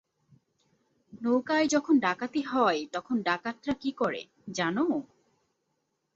নৌকায় যখন ডাকাতি হয়, তখন ডাকাতরা কী করে, জান?